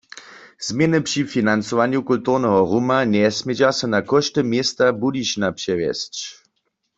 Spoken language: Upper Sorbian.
Změny při financowanju kulturneho ruma njesmědźa so na kóšty města Budyšina přewjesć.